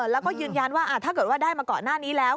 แล้วก็ยืนยันว่าถ้าเกิดว่าได้มาก่อนหน้านี้แล้ว